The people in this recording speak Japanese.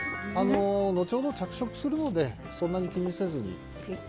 後ほど着色するのでそんなに気にせずに。